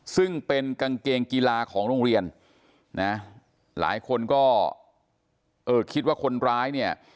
ซึ่งเป็นกางเกงกีฬาของโรงเรียนนะหลายคนก็เออคิดว่าคนร้ายเนี่ย